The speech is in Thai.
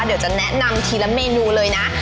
เดี๋ยวจะแนะนำทีละเมนูเลยนะ